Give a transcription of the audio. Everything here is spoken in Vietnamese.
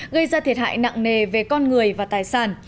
gây ra thiệt hại nặng nề về con người và tài sản